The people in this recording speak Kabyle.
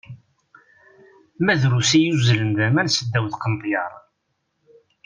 Ma drus i yuzzlen d aman seddaw teqneṭyar!